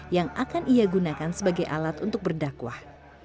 yang akan ia gunakan sebagai alat untuk berdakwah